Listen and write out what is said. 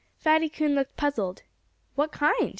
Fatty Coon looked puzzled. "What kind?"